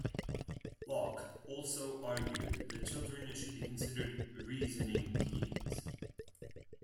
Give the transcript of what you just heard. Locke also argued that children should be considered "reasoning beings".